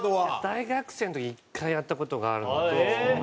大学生の時に１回やった事があるのと。